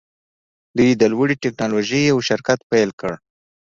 دوی د لوړې ټیکنالوژۍ یو شرکت پیل کړ